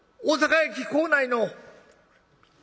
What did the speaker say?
「大阪駅構内の」。